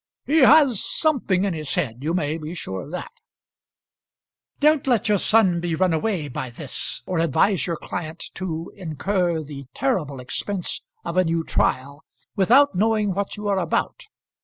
"He has something in his head; you may be sure of that." "Don't let your son be run away with by this, or advise your client to incur the terrible expense of a new trial, without knowing what you are about.